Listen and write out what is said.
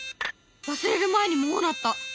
忘れる前にもう鳴った！